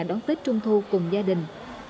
đón tết trung thu cùng gia đình